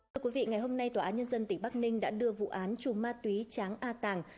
thưa quý vị ngày hôm nay tòa án nhân dân tỉnh bắc ninh đã đưa vụ án chùm ma túy tráng a tàng